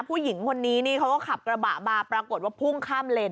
ผู้หญิงคนนี้นี่เขาก็ขับกระบะมาปรากฏว่าพุ่งข้ามเลน